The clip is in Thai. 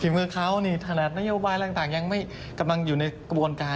มือเขานี่ขนาดนโยบายอะไรต่างยังไม่กำลังอยู่ในกระบวนการ